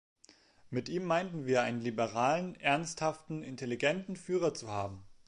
Mit ihm meinten wir einen liberalen, ernsthaften, intelligenten Führer zu haben.